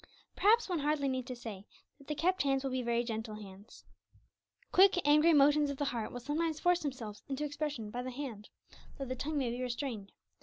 Perhaps one hardly needs to say that the kept hands will be very gentle hands. Quick, angry motions of the heart will sometimes force themselves into expression by the hand, though the tongue may be restrained.